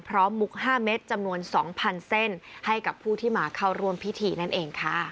มุก๕เม็ดจำนวน๒๐๐เส้นให้กับผู้ที่มาเข้าร่วมพิธีนั่นเองค่ะ